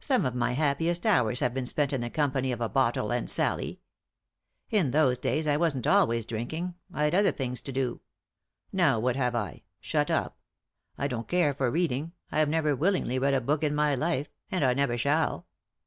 Some of my happiest hours have been spent in the company of a bottle and Sallie. In those days I wasn't always drinking ; I'd other things to do. Now what have I ?— shut up ?— I don't care for reading, I've never willingly read a book in my life, and I never shall.